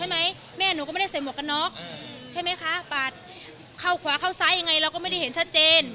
แม่หนูก็ไม่ได้ใส่หมวกกันน็อกใช่ไหมคะปาดเข้าขวาเข้าซ้ายยังไงเราก็ไม่ได้เห็นชัดเจน